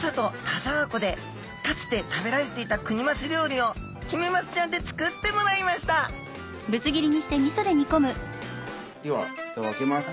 田沢湖でかつて食べられていたクニマス料理をヒメマスちゃんで作ってもらいましたではふたを開けます。